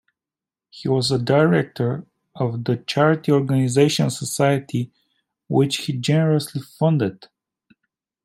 He was a director of the Charity Organization Society, which he generously funded.